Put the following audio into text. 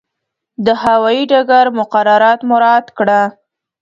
د هوایي ډګر مقررات مراعات کړه.